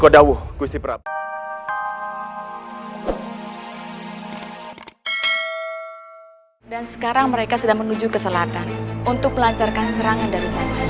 sekarang mereka sudah menuju ke selatan untuk melancarkan serangan dari sana